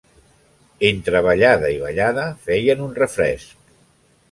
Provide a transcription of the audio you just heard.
Entre ballada i ballada feien un refresc.